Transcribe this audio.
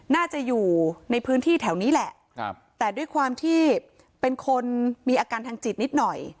น่าจะอยู่ในพื้นที่แถวนี้แหละแต่ด้วยความที่เป็นคนมีอาการทางจิตนิดหน่อย